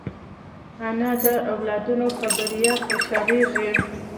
انا د اولادونو په بریا خوشحالېږي